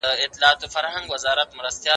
آیا تاسو د څېړني نوې لارې لټولې دي؟